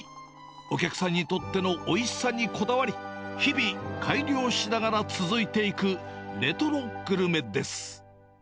お客さんにとってのおいしさにこだわり、日々、改良しながら続いていくレトログルメです。